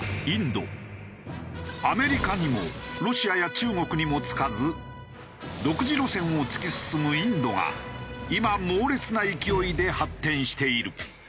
アメリカにもロシアや中国にもつかず独自路線を突き進むインドが今猛烈な勢いで発展している。